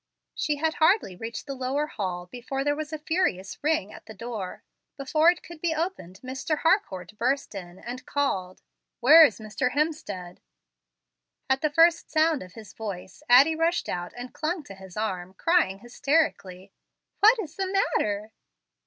She had hardly reached the lower hall before there was a furious ring at the door. Before it could be Opened Mr. Harcourt burst in, and called, "Where is Mr. Hemstead?" At the first sound of his voice Addie rushed out and clung to his arm, crying hysterically, "What is the matter?"